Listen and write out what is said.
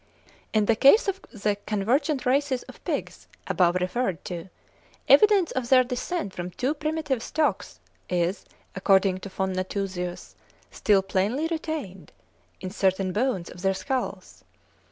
In the case of the convergent races of pigs above referred to, evidence of their descent from two primitive stocks is, according to von Nathusius, still plainly retained, in certain bones of their skulls.